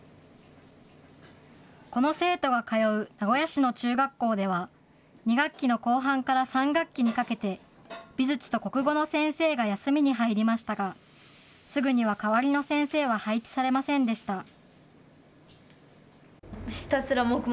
この生徒が通う名古屋市の中学校では、２学期の後半から３学期にかけて、美術と国語の先生が休みに入りましたが、すぐには代わりの先生は配置されませんでした。